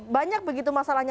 banyak begitu masalahnya